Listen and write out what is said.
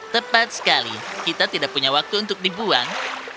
tepat sekali kita tidak punya waktu untuk dibuang